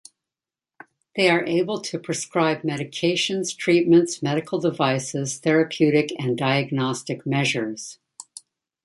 They are able to prescribe medications, treatments, medical devices, therapeutic and diagnostic measures.